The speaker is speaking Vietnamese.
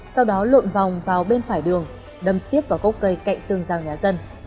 sau đó lộn vòng vào bên phải đường đâm tiếp vào cốc cây cạnh tường giao nhà dân